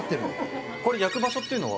これ焼く場所っていうのは。